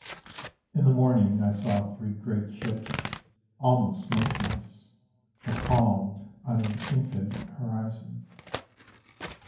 _ In the morning I saw three great ships Almost motionless Becalmed on an infinite horizon.